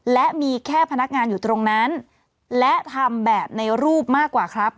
และมีแค่พนักงานอยู่ตรงนั้นและทำแบบในรูปมากกว่าครับ